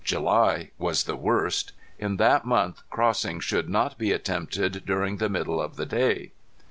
July was the worst. In that month crossing should not be attempted during the middle of the day.